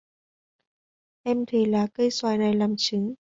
Em thề có cây xoài này làm chứng